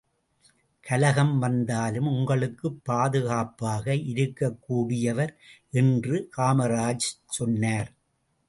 கலகம் வந்தாலும் உங்களுக்கு பாதுகாப்பாக இருக்கக் கூடியவர் என்று காமராஜ் சொன்னார்.